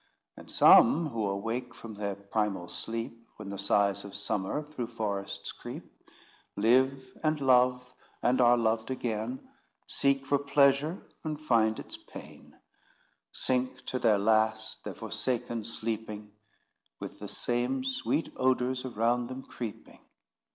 And some who awake from their primal sleep, When the sighs of Summer through forests creep, Live, and love, and are loved again; Seek for pleasure, and find its pain; Sink to their last, their forsaken sleeping, With the same sweet odours around them creeping.